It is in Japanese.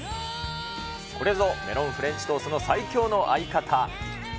これぞ、メロンフレンチトーストの最強の相方。